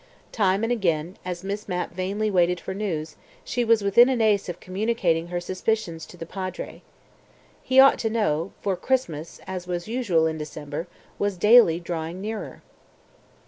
Time and again, as Miss Mapp vainly waited for news, she was within an ace of communicating her suspicions to the Padre. He ought to know, for Christmas (as was usual in December) was daily drawing nearer.